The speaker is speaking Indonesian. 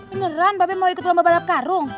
beneran bape mau ikut lomba balap karung